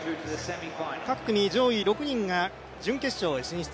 各組上位６人が準決勝に進出。